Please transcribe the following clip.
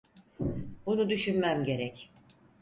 Bunu düşünmem gerek.